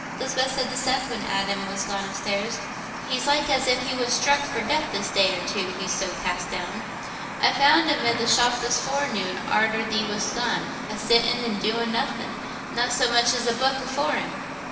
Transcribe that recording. Lisbeth said to Seth, when Adam was gone upstairs. "He's like as if he was struck for death this day or two—he's so cast down. I found him i' the shop this forenoon, arter thee wast gone, a sittin' an' doin' nothin'—not so much as a booke afore him."